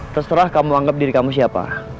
terserah kamu anggap diri kamu siapa